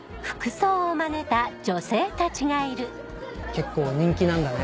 結構人気なんだね。